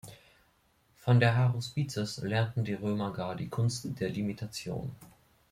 Von den Haruspices lernten die Römer gar die Kunst der Limitation.